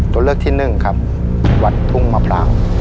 ตัวเลือกที่๑วัดทุ่งมะพร้าว